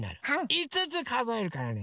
５つかぞえるからね